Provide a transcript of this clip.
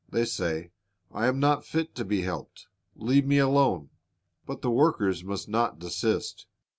They say, I am not fit to be helped, leave me alone. But the workers must not desist.